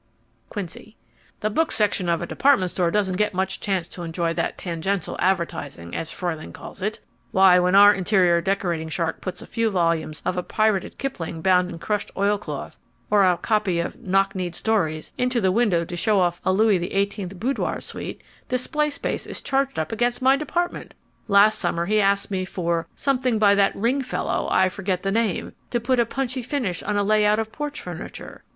QUINCY The book section of a department store doesn't get much chance to enjoy that tangential advertising, as Fruehling calls it. Why, when our interior decorating shark puts a few volumes of a pirated Kipling bound in crushed oilcloth or a copy of "Knock kneed Stories," into the window to show off a Louis XVIII boudoir suite, display space is charged up against my department! Last summer he asked me for "something by that Ring fellow, I forget the name," to put a punchy finish on a layout of porch furniture.